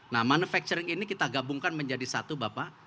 nah manufacturing ini kita gabungkan menjadi satu bapak